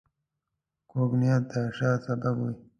کوږ نیت د شر سبب وي